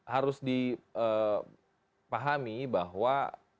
harus dipahami bahwa